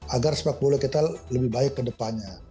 agar sebab boleh kita lebih baik kedepannya